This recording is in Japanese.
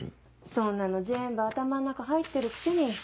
そんなの全部頭の中入ってるくせに。